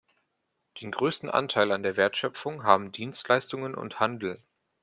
Den größten Anteil an der Wertschöpfung haben Dienstleistungen und Handel.